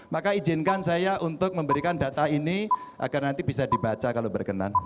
maka izinkan saya untuk memberikan data ini agar nanti bisa dibaca kalau berkenan